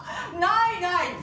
ないない！